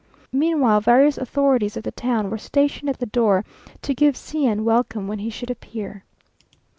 Meanwhile, various authorities of the town were stationed at the door to give C n welcome when he should appear.